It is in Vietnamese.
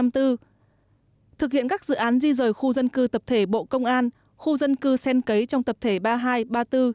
thực hiện các dự án di rời khu dân cư tập thể bộ công an khu dân cư sen cấy trong tập thể ba mươi hai ba mươi bốn